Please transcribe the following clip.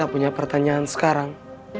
betap punya pertanyaan sekarang